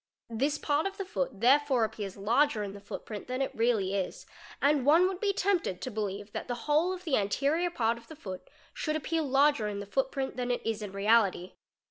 This part of the foot therefore appears larger in the footprint than it really is, and one would be tempted to believe that the whole of the anterior part of the foot should appear larger in the footprint than it is in reality.